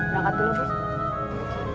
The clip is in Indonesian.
berangkat dulu bu